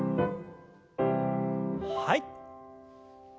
はい。